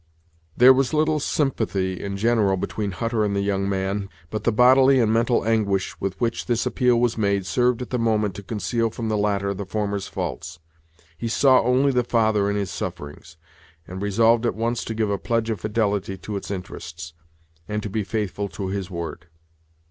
There was little sympathy in general between Hutter and the young man, but the bodily and mental anguish with which this appeal was made served at the moment to conceal from the latter the former's faults. He saw only the father in his sufferings, and resolved at once to give a pledge of fidelity to its interests, and to be faithful to his word.